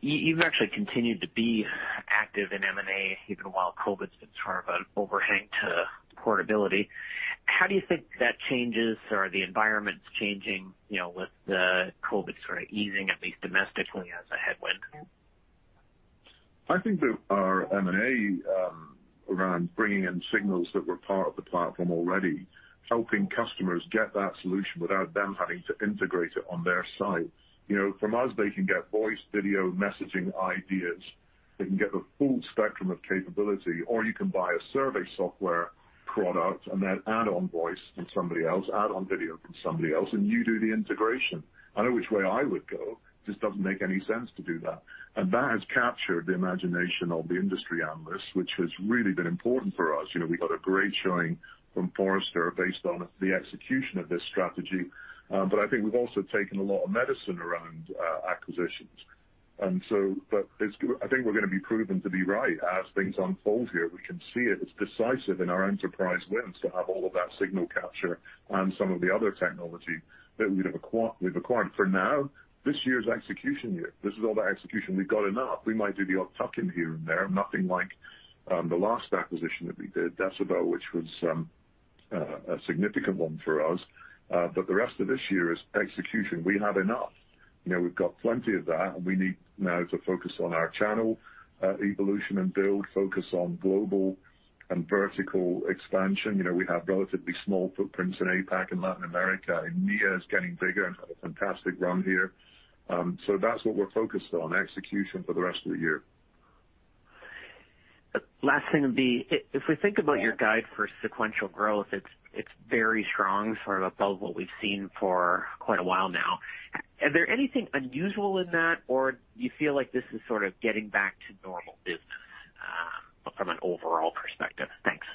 You've actually continued to be active in M&A, even while COVID's been sort of an overhang to portability. How do you think that changes or the environment's changing, with the COVID sort of easing, at least domestically as a headwind? I think that our M&A around bringing in signals that we're talking. The platform is already helping customers get that solution without them having to integrate it on their site. From us, they can get voice, video, messaging ideas. They can get the full spectrum of capability. You can buy a survey software product and then add on voice from somebody else, add on video from somebody else, and you do the integration. I know which way I would go. Just doesn't make any sense to do that. That has captured the imagination of the industry analysts, which has really been important for us. We've got a great showing from Forrester based on the execution of this strategy. I think we've also taken a lot of medicine around acquisitions. I think we're going to be proven to be right as things unfold here. We can see it. It's decisive in our enterprise wins to have all of that signal capture and some of the other technology that we've acquired. For now, this year is execution year. This is all about execution. We've got enough. We might do the odd tuck-in here and there. Nothing like the last acquisition that we did, Decibel, which was a significant one for us. The rest of this year is execution. We have enough. We've got plenty of that, and we need now to focus on our channel evolution and build, focus on global and vertical expansion. We have relatively small footprints in APAC and Latin America. EMEA is getting bigger and had a fantastic run here. That's what we're focused on, execution for the rest of the year. Last thing would be, if we think about your guide for sequential growth, it is very strong, above what we have seen for quite a while now. Is there anything unusual in that, or do you feel like this is sort of getting back to normal business from an overall perspective? Thanks.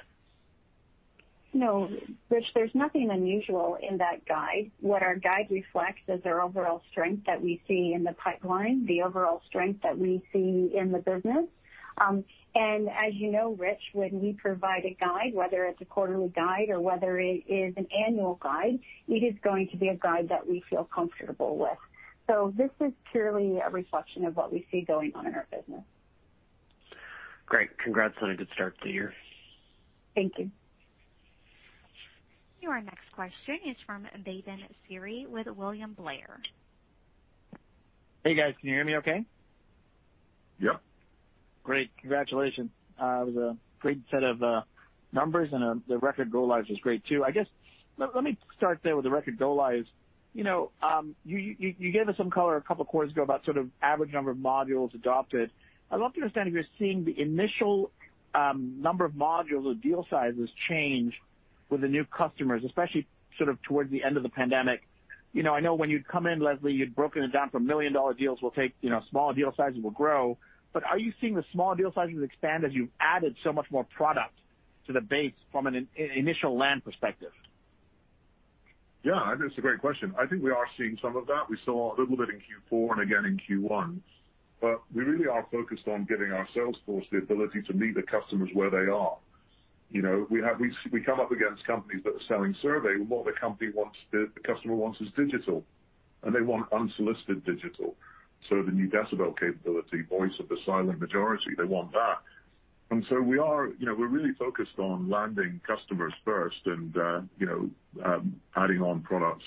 No, Rich, there's nothing unusual in that guide. What our guide reflects is our overall strength that we see in the pipeline, the overall strength that we see in the business. As you know, Rich, when we provide a guide, whether it's a quarterly guide or whether it is an annual guide, it is going to be a guide that we feel comfortable with. This is purely a reflection of what we see going on in our business. Great. Congratulations. Good start to the year. Thank you. Your next question is from Bhavan Suri with William Blair. Hey, guys, can you hear me okay? Yeah. Great. Congratulations. It was a great set of numbers, and the record go lives is great, too. I guess, let me start there with the record go lives. You gave us some color a couple of quarters ago about sort of average number of modules adopted. I'd love to understand if you're seeing the initial number of modules or deal sizes change with the new customers, especially sort of towards the end of the pandemic. I know when you'd come in, Leslie, you'd broken it down from $1 million deals will take, small deal sizes will grow. Are you seeing the small deal sizes expand as you've added so much more product to the base from an initial land perspective? Yeah, I think that's a great question. I think we are seeing some of that. We saw a little bit in Q4 and again in Q1. We really are focused on giving our sales force the ability to meet the customers where they are. We come up against companies that are selling survey. What the customer wants is digital, and they want unsolicited digital. The new Decibel capability, voice of the silent majority, they want that. We're really focused on landing customers first and adding on products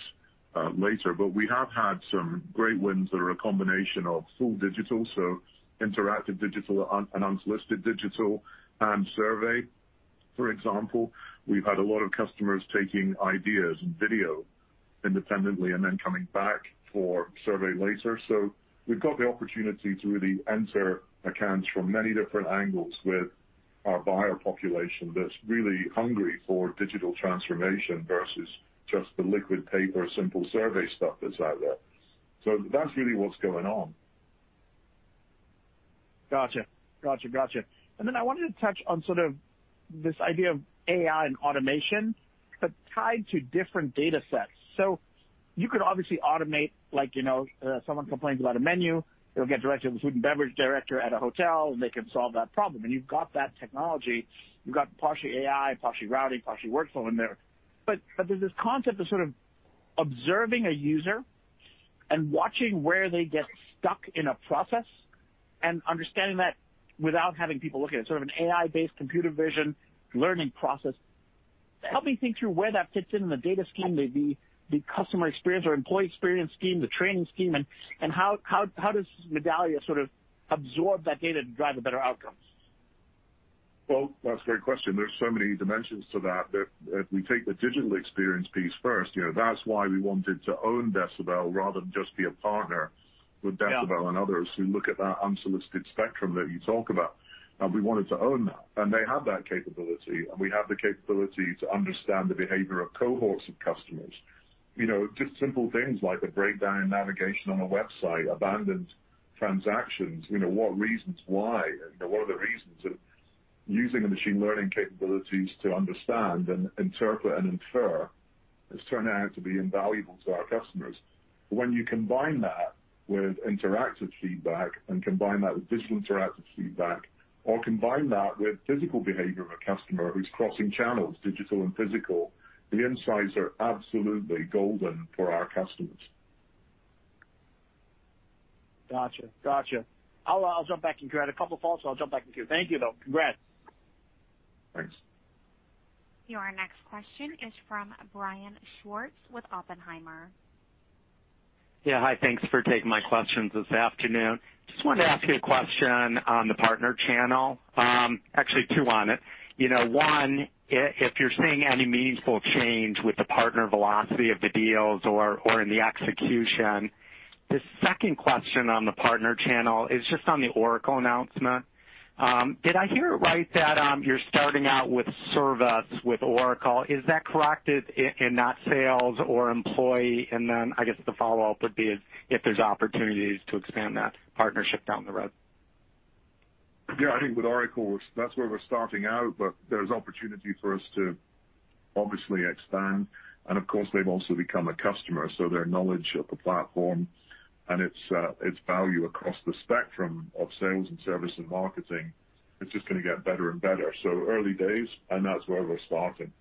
later. We have had some great wins that are a combination of full digital, so interactive digital and unsolicited digital and survey. For example, we've had a lot of customers taking ideas and video independently and then coming back for survey later. We've got the opportunity to really enter accounts from many different angles with our buyer population that's really hungry for digital transformation versus just the liquid paper, simple survey stuff that's out there. That's really what's going on. Got you. I wanted to touch on this idea of AI and automation, but tied to different data sets. You could obviously automate, like someone complains about a menu, it'll get directed to the food and beverage director at a hotel, and they can solve that problem. You've got that technology. You've got partially AI, partially rules, partially workflow in there. There's this concept of observing a user and watching where they get stuck in a process and understanding that without having people look at it. An AI-based computer vision learning process. Help me think through where that fits in the data scheme, the customer experience or employee experience scheme, the training scheme, and how does Medallia absorb that data to drive better outcomes? That's a great question. There's so many dimensions to that. If we take the digital experience piece first, that's why we wanted to own Decibel rather than just be a partner with Decibel and others who look at that unsolicited spectrum that you talk about. We wanted to own that. They have that capability, and we have the capability to understand the behavior of cohorts of customers. Just simple things like a breakdown in navigation on a website, abandoned transactions, what reasons why, and what are the reasons that using machine learning capabilities to understand and interpret and infer has turned out to be invaluable to our customers. When you combine that with interactive feedback and combine that with digital interactive feedback, or combine that with physical behavior of a customer who's crossing channels, digital and physical, the insights are absolutely golden for our customers. Got you. I'll jump back in. You've got a couple more folks. I'll jump back in. Thank you, though. Congrats. Thanks. Your next question is from Brian Schwartz with Oppenheimer. Yeah. Hi, thanks for taking my questions this afternoon. Just wanted to ask you a question on the partner channel. Actually, two on it. One, if you're seeing any meaningful change with the partner velocity of the deals or in the execution. The second question on the partner channel is just on the Oracle announcement. Did I hear it right that you're starting out with service with Oracle? Is that correct? In that sales or employee, I guess the follow-up would be is if there's opportunities to expand that partnership down the road. Yeah, I think with Oracle, that's where we're starting out, but there's opportunity for us to obviously expand. Of course, they've also become a customer. Their knowledge of the platform and its value across the spectrum of sales and service and marketing is just going to get better and better. Early days, and that's where we're starting.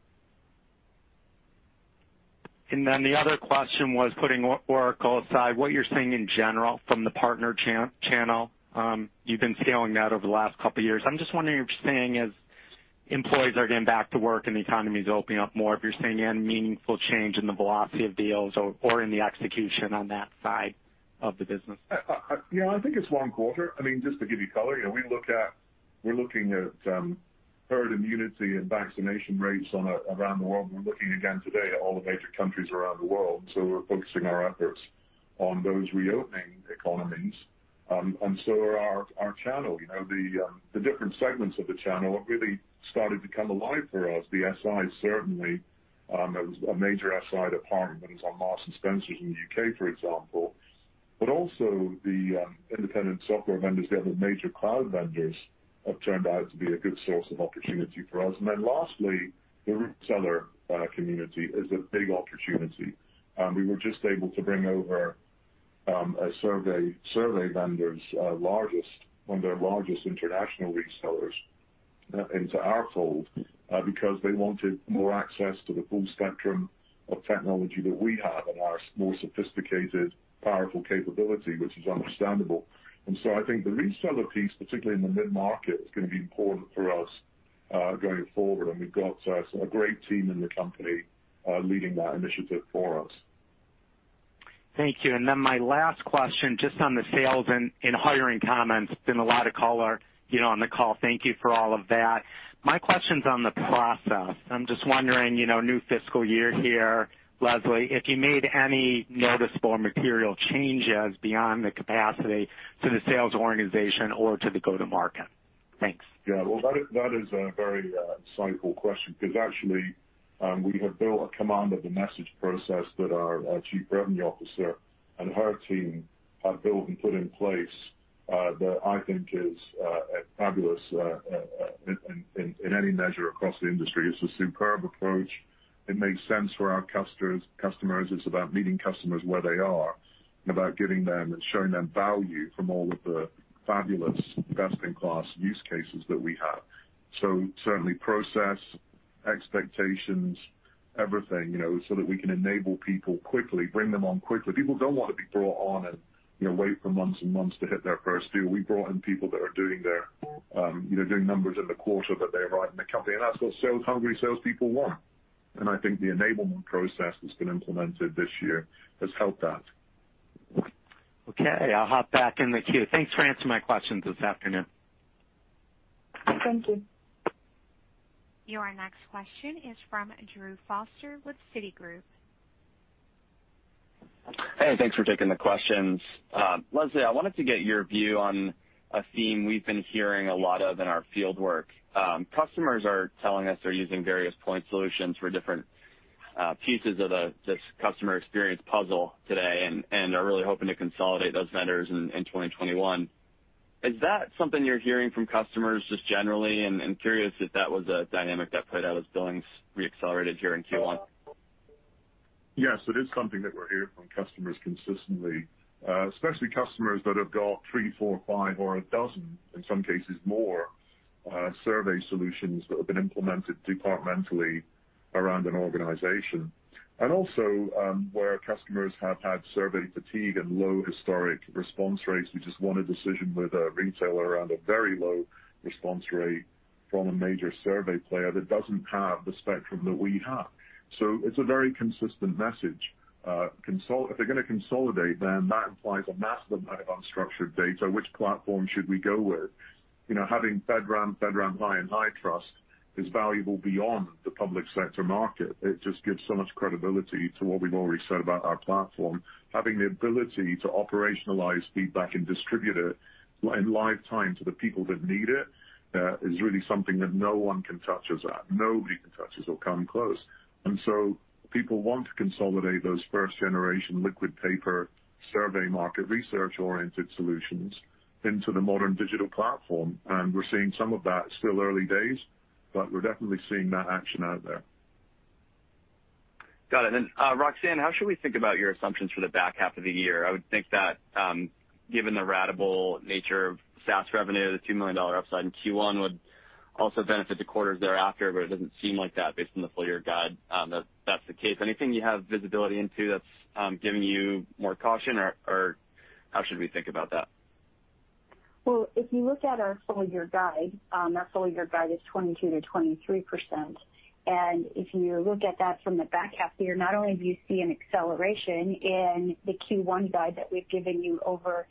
The other question was putting Oracle aside, what you're seeing in general from the partner channel. You've been scaling that over the last couple of years. I'm just wondering if employees are getting back to work and the economy is opening up more, if you're seeing any meaningful change in the velocity of deals or in the execution on that side of the business. Yeah, I think it's one quarter. Just to give you color, we're looking at herd immunity and vaccination rates around the world. We're looking again today at all the major countries around the world. We're focusing our efforts on those reopening economies. Our channel. The different segments of the channel have really started to come alive for us. The SIs, certainly. There was a major SI deployment that was on Marks & Spencer in the U.K., for example. Also the independent software vendors. The other major cloud vendors have turned out to be a good source of opportunity for us. Lastly, the reseller community is a big opportunity. We were just able to bring over a survey vendor's largest, one of their largest international resellers into our fold because they wanted more access to the full spectrum of technology that we have and our more sophisticated, powerful capability, which is understandable. I think the reseller piece, particularly in the mid-market, is going to be important for us, going forward. We've got a great team in the company, leading that initiative for us. Thank you. My last question, just on the sales and hiring comments, been a lot of color on the call. Thank you for all of that. My question is on the process. I'm just wondering, new fiscal year here, Leslie, if you made any noticeable or material changes beyond the capacity to the sales organization or to the go-to-market. Thanks. Yeah. Well, that is a very insightful question because actually, we have built a Command of the Message process that our Chief Revenue Officer and her team have built and put in place, that I think is fabulous in any measure across the industry. It's a superb approach. It makes sense for our customers. It's about meeting customers where they are, and about getting them and showing them value from all of the fabulous best-in-class use cases that we have. Certainly process, expectations, everything, so that we can enable people quickly, bring them on quickly. People don't want to be brought on and wait for months and months to hit their first deal. We brought in people that are doing numbers in the quarter that they arrive in the company. That's what sales hungry salespeople want. I think the enablement process that's been implemented this year has helped that. Okay. I'll hop back in the queue. Thanks for answering my questions this afternoon. Thank you. Your next question is from Drew Foster with Citigroup. Hey, thanks for taking the questions. Leslie, I wanted to get your view on a theme we've been hearing a lot of in our fieldwork. Customers are telling us they're using various point solutions for different pieces of the customer experience puzzle today, and are really hoping to consolidate those vendors in 2021. Is that something you're hearing from customers just generally? I'm curious if that was a dynamic that played out, or billings re-accelerated here in Q1. Yes, it is something that we're hearing from customers consistently. Especially customers that have got three, four, five or 12, in some cases more, survey solutions that have been implemented departmentally around an organization. Also, where customers have had survey fatigue and low historic response rates. We just won a decision with a retailer around a very low response rate from a major survey player that doesn't have the spectrum that we have. It's a very consistent message. If they're going to consolidate, that implies a massive amount of unstructured data. Which platform should we go with? Having FedRAMP High, and HITRUST is valuable beyond the public sector market. It just gives so much credibility to what we've already said about our platform. Having the ability to operationalize feedback and distribute it in live time to the people that need it, is really something that no one can touch us at. Nobody can touch us or come close. People want to consolidate those first-generation liquid paper survey market research-oriented solutions into the modern digital platform. We're seeing some of that. Still early days, but we're definitely seeing that action out there. Got it. Roxanne, how should we think about your assumptions for the back half of the year? I would think that, given the ratable nature of SaaS revenue, the $2 million upside in Q1 would also benefit the quarters thereafter, but it doesn't seem like that based on the full-year guide. That's the case. Anything you have visibility into that's giving you more caution, or how should we think about that? Well, if you look at our full-year guide, our full-year guide is 22%-23%. If you look at that from the back half year, not only do you see an acceleration in the Q2 guide that we've given you over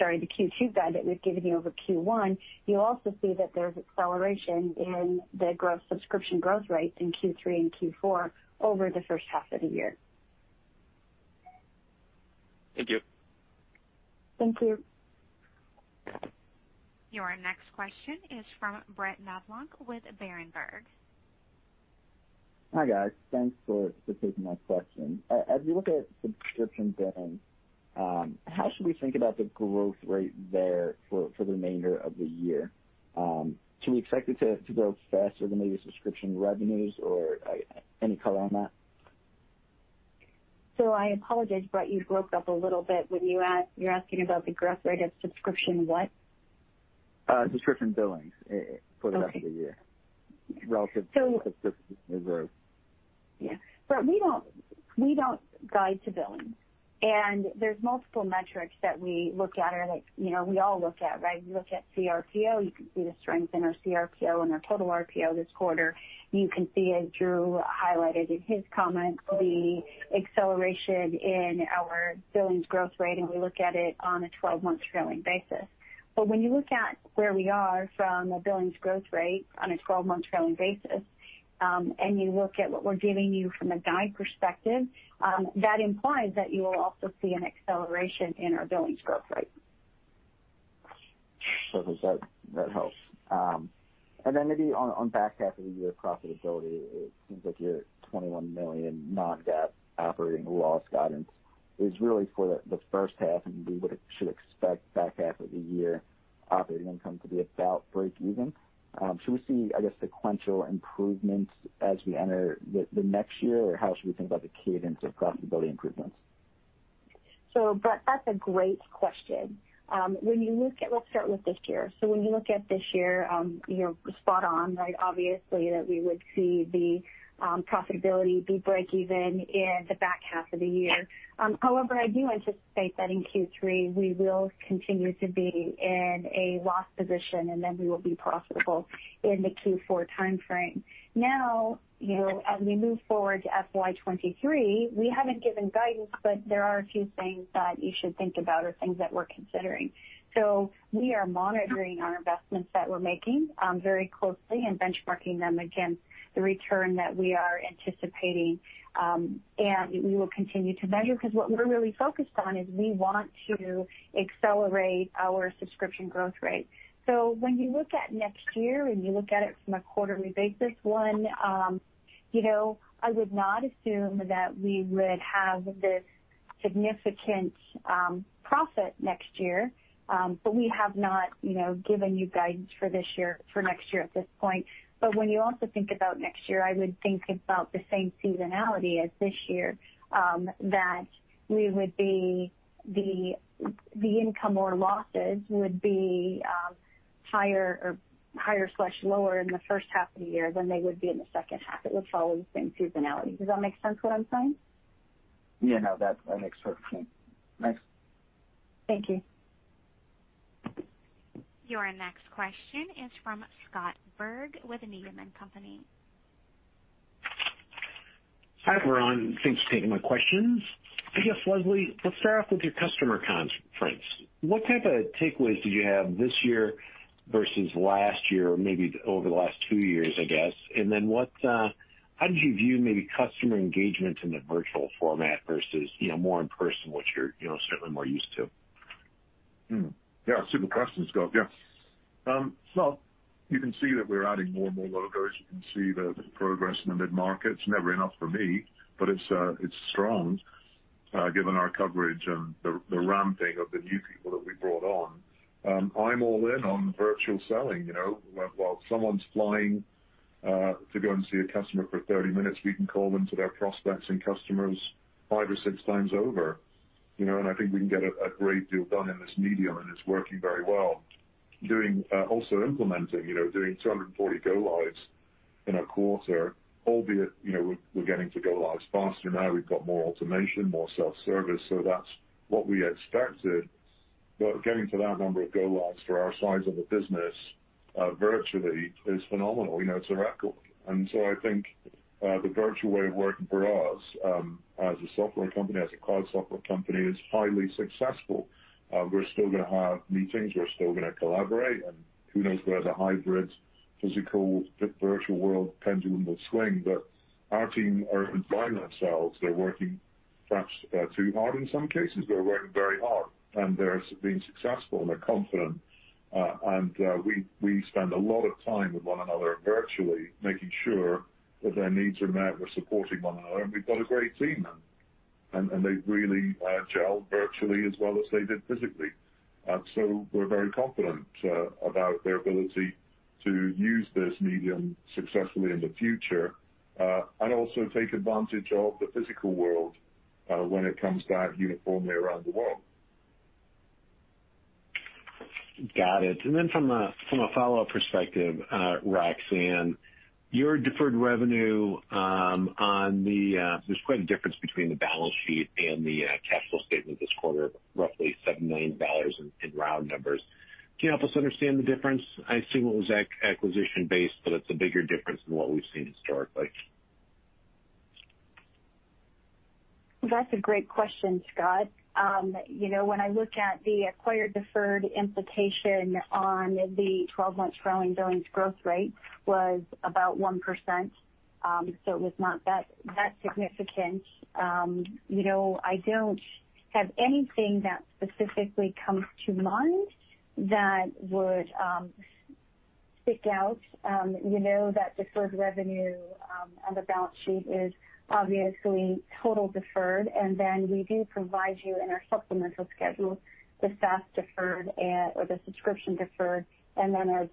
Q1, you'll also see that there's acceleration in the subscription growth rates in Q3 and Q4 over the first half of the year. Thank you. Thank you. Your next question is from Brett Knoblauch with Berenberg. Hi, guys. Thanks for taking my question. As we look at subscription billing, how should we think about the growth rate there for the remainder of the year? Do we expect it to grow faster than maybe subscription revenues or any color on that? I apologize, Brett, you broke up a little bit. You're asking about the growth rate of subscription, what? Subscription billings for the rest of the year. Okay. Relative to- Look. Yeah. We don't guide to billings. There's multiple metrics that we look at, and we all look at, right? You look at CRPO, you can see the strength in our CRPO and our total RPO this quarter. You can see it, Drew highlighted in his comments, the acceleration in our billings growth rate, and we look at it on a 12-month trailing basis. When you look at where we are from a billings growth rate on a 12-month trailing basis, and you look at what we're giving you from a guide perspective, that implies that you'll also see an acceleration in our billings growth rate. that helps. Maybe on the back half of the year profitability, it seems like your $21 million non-GAAP operating loss guidance is really for the first half, and we should expect back half of the year operating income to be about breakeven. Should we see, I guess, sequential improvements as we enter the next year, or how should we think about the cadence of profitability improvements? Brett, that's a great question. Let's start with this year. When you look at this year, you're spot on. Obviously, we would see the profitability be breakeven in the back half of the year. I do anticipate that in Q3, we will continue to be in a loss position, and then we will be profitable in the Q4 timeframe. As we move forward to FY 2023, we haven't given guidance, but there are a few things that you should think about or things that we're considering. We are monitoring our investments that we're making very closely and benchmarking them against the return that we are anticipating, and we will continue to measure because what we're really focused on is we want to accelerate our subscription growth rate. When you look at next year, when you look at it from a quarterly basis, one, I would not assume that we would have this significant profit next year. We have not given you guidance for next year at this point. When you also think about next year, I would think about the same seasonality as this year, that the income or losses would be higher/lower in the first half of the year than they would be in the second half. It would follow the same seasonality. Does that make sense, what I'm saying? Yeah, no, that makes perfect sense. Thanks. Thank you. Your next question is from Scott Berg with Needham & Company. Hi, everyone. Thanks for taking my questions. I guess, Leslie, let's start off with your customer conference. What type of takeaways did you have this year versus last year or maybe over the last 2 years, I guess? How do you view maybe customer engagement in a virtual format versus more in person, which you're certainly more used to? Yeah, two good questions, Scott. Yeah. You can see that we're adding more and more logos. You can see the progress in the mid-market. It's never enough for me, but it's strong given our coverage and the ramping of the new people that we brought on. I'm all in on virtual selling. While someone's flying to go and see a customer for 30 minutes, we can call into their prospects and customers five or six times over. I think we can get a great deal done in this medium, and it's working very well. Implementing, doing 240 go-lives in a quarter, albeit we're getting to go-lives faster now. We've got more automation, more self-service. That's what we expected. Getting to that number of go-lives for our size of a business virtually is phenomenal. It's a record. I think the virtual way of working for us as a software company, as a cloud software company, is highly successful. We're still going to have meetings, we're still going to collaborate, and who knows where the hybrid physical virtual world pendulum will swing, but our team are applying themselves. They're working perhaps too hard in some cases, they're working very hard and they're being successful and they're confident. We spend a lot of time with one another virtually making sure that their needs are met. We're supporting one another, and we've got a great team, and they really gel virtually as well as they did physically. We're very confident about their ability to use this medium successfully in the future, and also take advantage of the physical world when it comes back uniformly around the world. Got it. From a follow-up perspective, Roxanne, your deferred revenue, there's quite a difference between the balance sheet and the cash flow statement this quarter, roughly $7 million in round numbers. Can you help us understand the difference? I assume it was acquisition-based, but it's a bigger difference than what we've seen historically. That's a great question, Scott. When I look at the acquired deferred implication on the 12-month growing billings growth rate was about 1%, so it was not that significant. I don't have anything that specifically comes to mind that would stick out. That deferred revenue on the balance sheet is obviously total deferred, and then we do provide you in our supplemental schedule, the SaaS deferred or the subscription deferred, and then our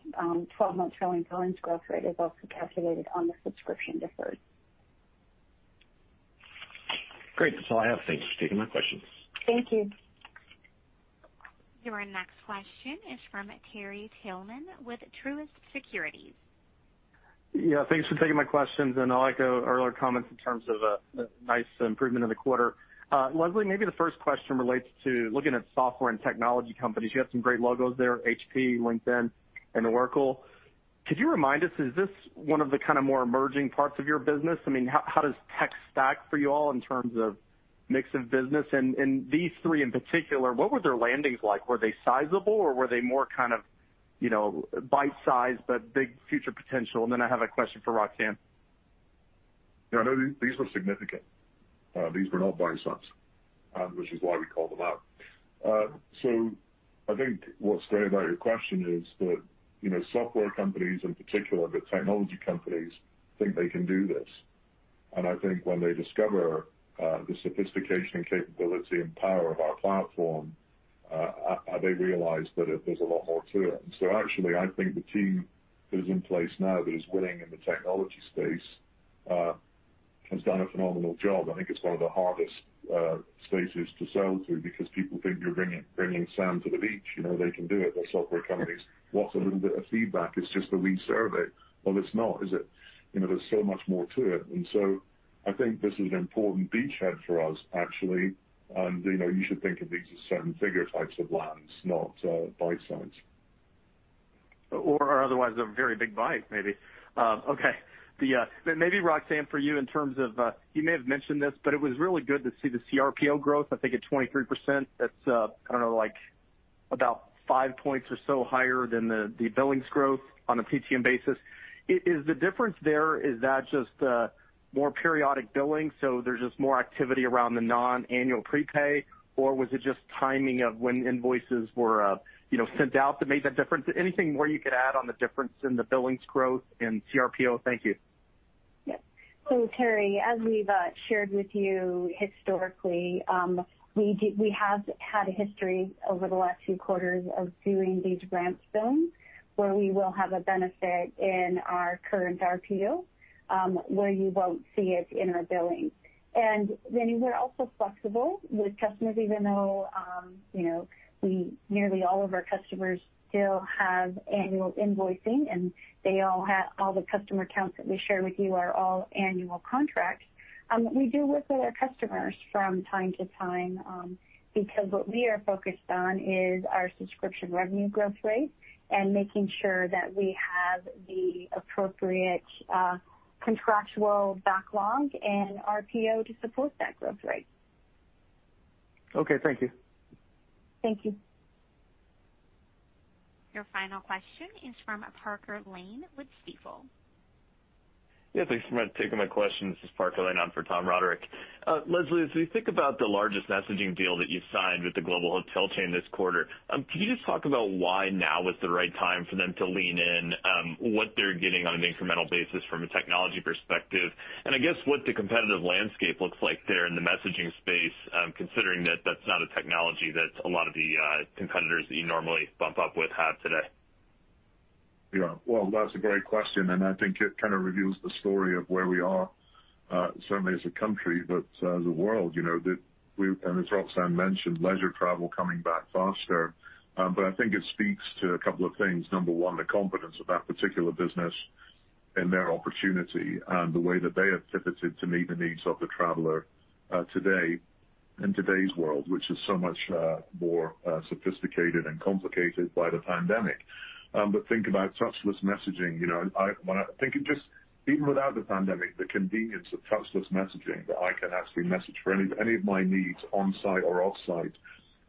12-month rolling billings growth rate is also calculated on the subscription deferred. Great. That's all I have. Thank you for taking my questions. Thank you. Your next question is from Terry Tillman with Truist Securities. Thanks for taking my questions. I like your earlier comments in terms of a nice improvement in the quarter. Leslie, maybe the first question relates to looking at software and technology companies. You have some great logos there, HP, LinkedIn, and Oracle. Could you remind us, is this one of the more emerging parts of your business? How does tech stack for you all in terms of mix of business? These three in particular, what were their landings like? Were they sizable or were they more bite-sized but big future potential? I have a question for Roxanne. No, these were significant. These were not bite-sized, which is why we called them out. I think what's great about your question is that software companies in particular, but technology companies think they can do this. I think when they discover the sophistication, capability, and power of our platform, they realize that there's a lot more to it. Actually, I think the team that is in place now that is winning in the technology space has done a phenomenal job. I think it's one of the hardest spaces to sell to because people think you're bringing sand to the beach. They can do it. They're software companies. What's a little bit of feedback? It's just a wee survey. Well, it's not, is it? There's so much more to it. I think this is an important beachhead for us, actually. You should think of these as seven-figure types of lands, not bite-sized. Or otherwise a very big bite, maybe. Okay. Maybe Roxanne, for you in terms of, you may have mentioned this, but it was really good to see the CRPO growth. I think it's 23%. That's like about 5 points or so higher than the billings growth on a LTM basis. Is the difference there, is that just more periodic billing, so there's just more activity around the non-annual prepay, or was it just timing of when invoices were sent out to make that difference? Anything more you could add on the difference in the billings growth and CRPO? Thank you. Terry, as we've shared with you historically, we have had a history over the last few quarters of doing these ramp deals, where we will have a benefit in our current RPO, where you won't see it in our billing. We're also flexible with customers, even though nearly all of our customers still have annual invoicing, and all the customer accounts that we share with you are all annual contracts. We do work with our customers from time to time, because what we are focused on is our subscription revenue growth rate and making sure that we have the appropriate contractual backlog and RPO to support that growth rate. Okay. Thank you. Thank you. Your final question is from Parker Lane with Stifel. Yeah, thanks so much for taking my question. This is Parker Lane for Tom Roderick. Leslie, as we think about the largest messaging deal that you signed with the global hotel chain this quarter, can you just talk about why now is the right time for them to lean in, what they're getting on an incremental basis from a technology perspective, and I guess what the competitive landscape looks like there in the messaging space, considering that that's not a technology that a lot of the competitors that you normally bump up with have today? Yeah. Well, that's a great question, and I think it kind of reveals the story of where we are, certainly as a country, but as a world, and as Roxanne mentioned, leisure travel coming back faster. I think it speaks to a couple of things. Number one, the confidence of that particular business and their opportunity and the way that they have pivoted to meet the needs of the traveler today in today's world, which is so much more sophisticated and complicated by the pandemic. Think about touchless messaging. Even without the pandemic, the convenience of touchless messaging, that I can actually message for any of my needs on-site or off-site.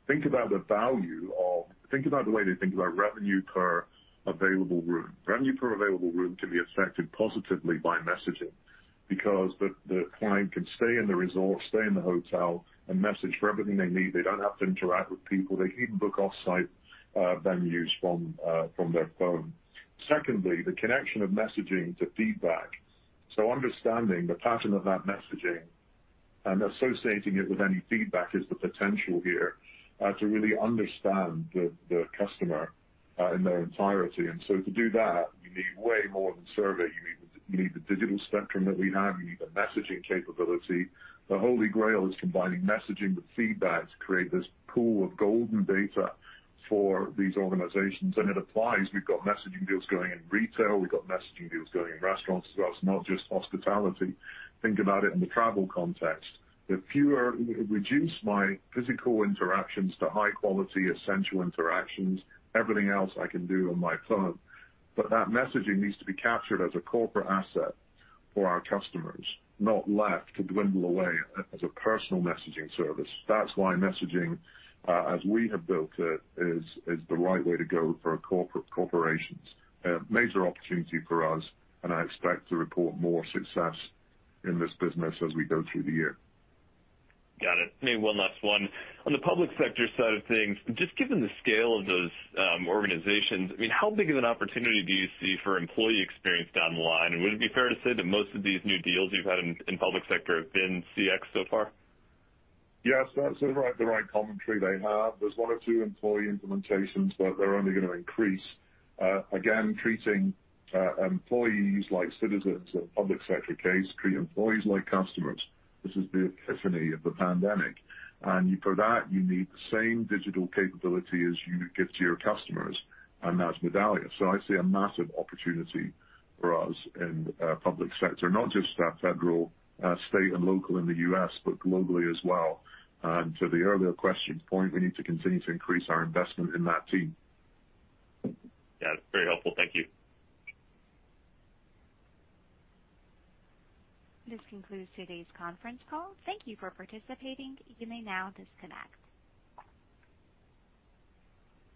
Think about the way they think about revenue per available room. Revenue per available room can be affected positively by messaging because the client can stay in the resort, stay in the hotel, and message for everything they need. They don't have to interact with people. They can even book off-site venues from their phone. Secondly, the connection of messaging to feedback. Understanding the pattern of that messaging and associating it with any feedback is the potential here to really understand the customer in their entirety. To do that, you need way more than survey. You need the digital spectrum that we have. You need the messaging capability. The Holy Grail is combining messaging with feedback to create this pool of golden data for these organizations. It applies. We've got messaging deals going in retail. We've got messaging deals going in restaurants as well. It's not just hospitality. Think about it in the travel context. Reduce my physical interactions to high-quality, essential interactions. Everything else I can do on my phone. That messaging needs to be captured as a corporate asset for our customers, not left to dwindle away as a personal messaging service. That's why messaging, as we have built it, is the right way to go for a corporate operations. A major opportunity for us. I expect to report more success in this business as we go through the year. Got it. Maybe one last one. On the public sector side of things, just given the scale of those organizations, how big of an opportunity do you see for employee experience down the line? Would it be fair to say that most of these new deals you've had in public sector have been CX so far? Yes, that's the right commentary. They have. There's one or two employee implementations, but they're only going to increase. Again, treating employees like citizens in a public sector case, treat employees like customers. This is the epiphany of the pandemic. For that, you need the same digital capability as you give to your customers, and that's Medallia. I see a massive opportunity for us in public sector, not just federal, state, and local in the U.S., but globally as well. To the earlier question point, we need to continue to increase our investment in that team. Yeah. Very helpful. Thank you. This concludes today's conference call. Thank you for participating. You may now disconnect.